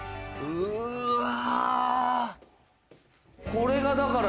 うわ。